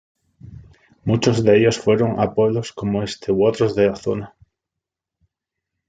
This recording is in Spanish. Muchos de ellos fueron a pueblos como este u otros de la zona.